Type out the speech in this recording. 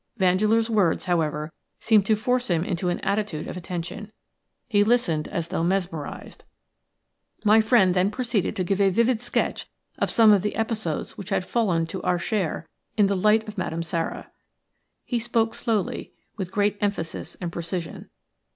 Vandeleur's words, however, seemed to force him into an attitude of attention. He listened as though mesmerized. My friend then proceeded to give a vivid sketch of some of the episodes which had fallen to our share in the life of Madame Sara. He spoke slowly, with great emphasis and precision.